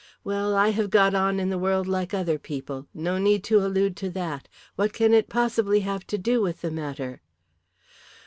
Well, I have got on in the world like other people. No need to allude to that. What can it possibly have to do with the matter?"